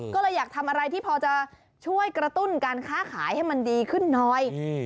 ก็เลยอยากทำอะไรที่พอจะช่วยกระตุ้นการค้าขายให้มันดีขึ้นหน่อย